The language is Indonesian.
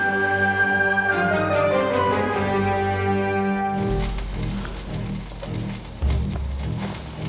saya akan mencari ibu